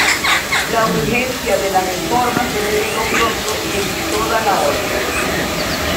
La urgencia de la reforma se reveló pronto en toda la orden.